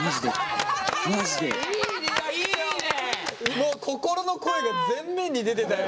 もう心の声が前面に出てたよ